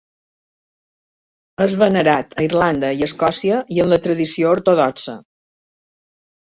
És venerat a Irlanda i Escòcia i en la tradició ortodoxa.